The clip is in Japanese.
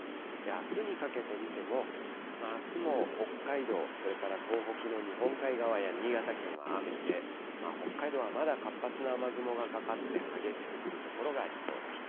あすにかけて見ても、あすも北海道、それから東北の日本海側や新潟県は雨で、北海道はまだ活発な雨雲がかかって激しく降る所がありそうです。